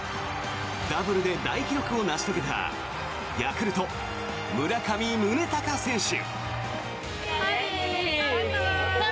ダブルで大記録を成し遂げたヤクルト、村上宗隆選手。